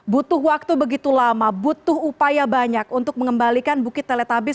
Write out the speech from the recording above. butuh waktu begitu lama butuh upaya banyak untuk mengembalikan bukit teletabis